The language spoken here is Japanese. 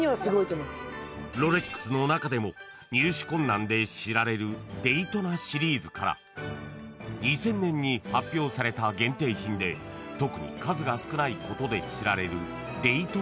［ロレックスの中でも入手困難で知られるデイトナシリーズから２０００年に発表された限定品で特に数が少ないことで知られるデイトナビーチ］